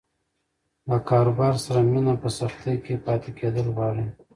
له کاروبار سره مینه په سختۍ کې پاتې کېدل غواړي.